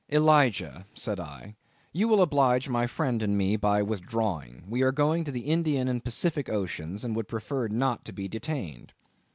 "Elijah," said I, "you will oblige my friend and me by withdrawing. We are going to the Indian and Pacific Oceans, and would prefer not to be detained."